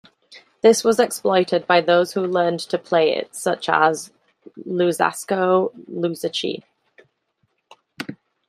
This was exploited by those who learned to play it, such as Luzzasco Luzzaschi.